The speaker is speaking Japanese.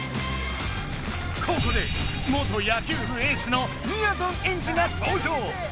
ここで元野球部エースのみやぞんエンジが登場！